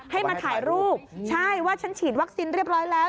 ให้มาถ่ายรูปใช่ว่าฉันฉีดวัคซีนเรียบร้อยแล้ว